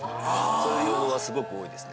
そういう要望がすごく多いです。